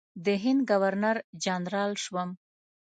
د هند ګورنر جنرال شوم.